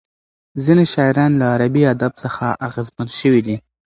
ځینې شاعران له عربي ادب څخه اغېزمن شوي دي.